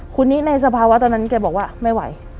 คนนี้ในสภาวะตอนนั้นแกบอกว่าไม่ไหว